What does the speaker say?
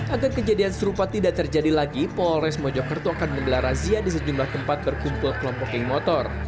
agar kejadian serupa tidak terjadi lagi polres mojokerto akan menggelar razia di sejumlah tempat berkumpul kelompok geng motor